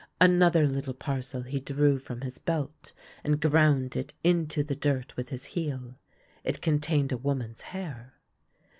Another little parcel he drew from his belt, and ground it into the dirt with his heel. It contained a woman's hair.